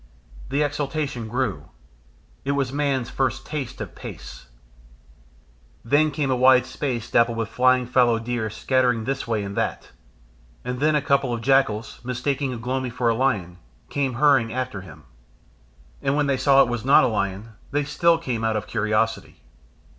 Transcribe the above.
The exultation grew. It was man's first taste of pace. Then came a wide space dappled with flying fallow deer scattering this way and that, and then a couple of jackals, mistaking Ugh lomi for a lion, came hurrying after him. And when they saw it was not a lion they still came on out of curiosity.